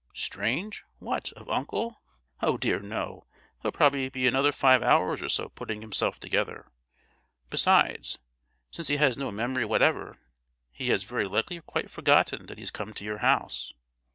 "Strange! what, of uncle? Oh dear, no! he'll probably be another five hours or so putting himself together; besides, since he has no memory whatever, he has very likely quite forgotten that he has come to your house!